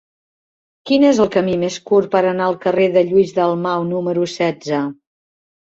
Quin és el camí més curt per anar al carrer de Lluís Dalmau número setze?